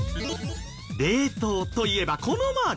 冷凍といえばこのマーク。